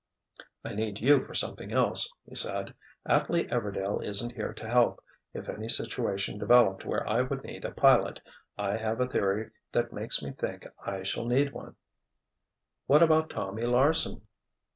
"I need you for something else," he said. "Atley Everdail isn't here to help, if any situation developed where I would need a pilot. I have a theory that makes me think I shall need one——" "What about Tommy Larsen?"